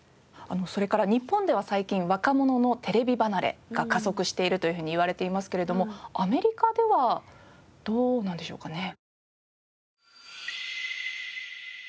それから日本では最近若者のテレビ離れが加速しているというふうにいわれていますけれどもアメリカではどうなんでしょうかね？